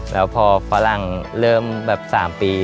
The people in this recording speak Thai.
แล้วพอฟ้าหลังเริ่มแบบ๓ปี